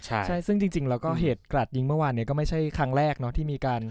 ใช่ซึ่งจริงแล้วก็เหตุกราดยิงเมื่อวานนี้ก็ไม่ใช่ครั้งแรกเนอะที่มีการ